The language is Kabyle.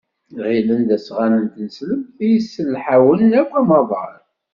Ɣillen d asɣan n tneslemt i yesselḥawen akk amaḍal.